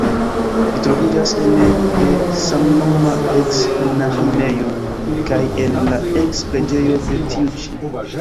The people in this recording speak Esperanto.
Ĝi troviĝas ene de samnoma eks-monaĥinejo kaj en la eks-preĝejo de tiu ĉi.